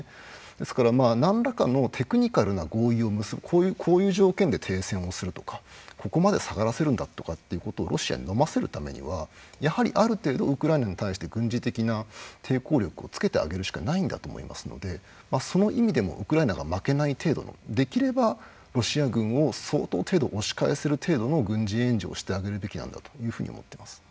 ですから、なんらかのテクニカルの合意でこういう条件で停戦をするとかここまで下がらせるんだということをロシアにのませるためにはある程度、ウクライナに対して軍事的な抵抗力をつけてあげるしかないんだと思いますので、その意味でもウクライナが負けない程度のできればロシア軍を相当程度、押し返せる程度の軍事援助をしてあげるべきなんだと考えています。